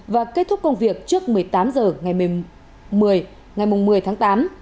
và kết thúc công việc trước một mươi tám h ngày một mươi tháng tám